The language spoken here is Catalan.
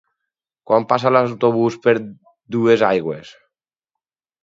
Quan passa l'autobús per Duesaigües?